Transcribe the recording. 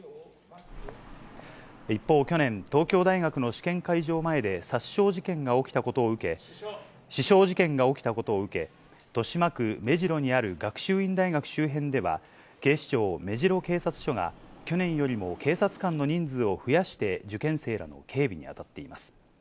一方、去年、東京大学の試験会場前で刺傷事件が起きたことを受け、豊島区目白にある学習院大学周辺では、警視庁目白警察署が、去年よりも警察官の人数を増やして受験生らの警備に当たっています。